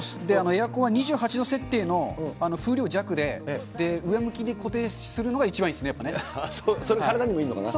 エアコンは２８度設定の風量弱で、上向きで固定するのが一番いいですね、やっぱりそれ、体にもいいのかな。